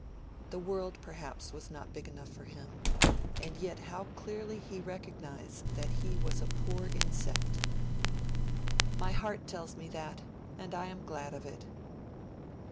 The world, perhaps, was not big enough for him; and yet how clearly he recognised that he was 'a poor insect!' 'My heart tells me that, and I am glad of it.'